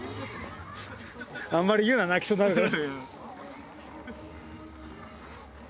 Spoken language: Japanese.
あんまり言うな泣きそうになるから。